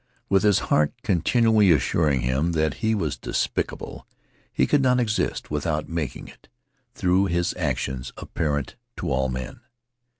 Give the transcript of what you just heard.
With his heart continually assuring him that he was despicable, he could not exist without making it, through his actions, apparent to all men.